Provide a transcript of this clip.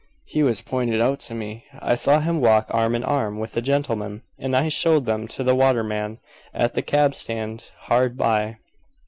"He was pointed out to me. I saw him walk arm in arm with a gentleman, and I showed them to the waterman at the cab stand hard by.